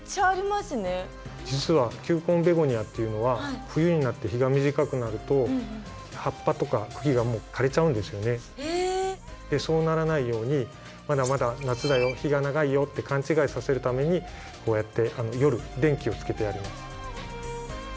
実は球根ベゴニアっていうのはそうならないようにまだまだ夏だよ日が長いよって勘違いさせるためにこうやって夜電気をつけてやります。